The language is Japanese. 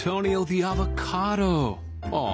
ああ